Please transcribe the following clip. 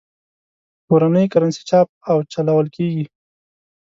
کورنۍ کرنسي چاپ او چلول کېږي.